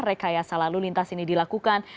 rekayasa lalu lintas ini dilakukan